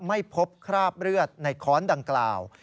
ไม่พบคราบเลือดในค้อนดังกล่าว